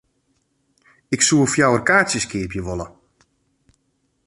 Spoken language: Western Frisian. Ik soe fjouwer kaartsjes keapje wolle.